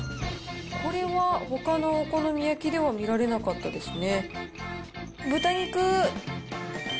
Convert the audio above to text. これはほかのお好み焼きでは見られなかったですね。